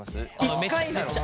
１回なのか。